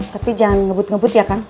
tapi jangan ngebut ngebut ya kan